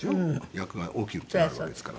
役が大きくなるわけですから。